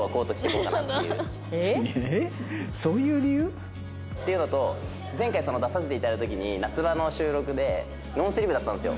なるほど。っていうのと前回出させて頂いた時に夏場の収録でノースリーブだったんですよ。